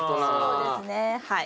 そうですねはい。